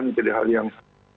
menjadi hal yang